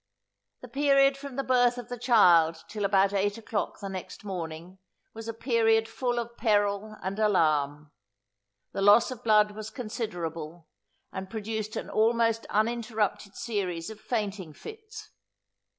The period from the birth of the child till about eight o'clock the next morning, was a period full of peril and alarm. The loss of blood was considerable, and produced an almost uninterrupted series of fainting fits.